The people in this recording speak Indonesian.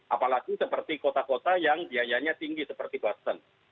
apalagi seperti kota kota yang biayanya tinggi seperti boston